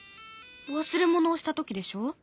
忘れ物をした時でしょ。